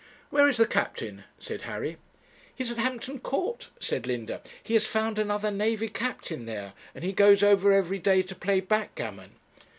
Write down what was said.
'Where is the captain?' said Harry. 'He's at Hampton Court,' said Linda; 'he has found another navy captain there, and he goes over every day to play backgammon.'